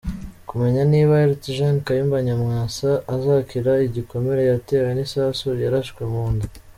Kumenya niba Lt Gen Kayumba Nyamwasa azakira igikomere yatewe n’isasu yarashwe mu nda,